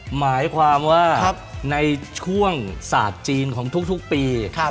หมายความว่าในช่วงศาสตร์จีนของทุกปี